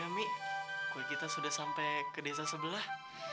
ya umi kue kita sudah sampai ke desa sebelah